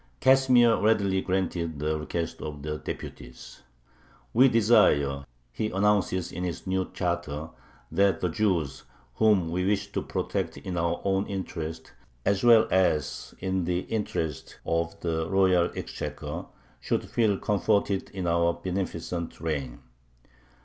Casimir readily granted the request of the deputies. "We desire" he announces in his new charter "that the Jews, whom we wish to protect in our own interest as well as in the interest of the royal exchequer, should feel comforted in our beneficent reign."